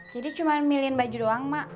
jadi cuma milihin baju doang mak